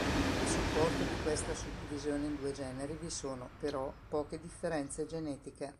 A supporto di questa suddivisione in due generi vi sono, però, poche differenze genetiche.